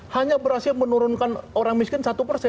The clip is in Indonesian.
hanya berhasil menurunkan orang miskin satu persen